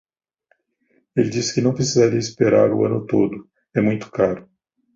Ele diz que não precisaria esperar o ano todo, é muito caro.